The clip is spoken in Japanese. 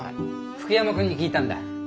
吹山君に聞いたんだ。